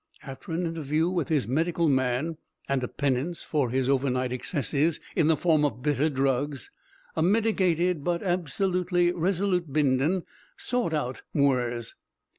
After an interview with his medical man and a penance for his overnight excesses in the form of bitter drugs, a mitigated but absolutely resolute Bindon sought out Mwres.